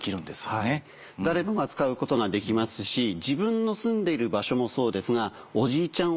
はい誰もが使うことができますし自分の住んでいる場所もそうですがおじいちゃん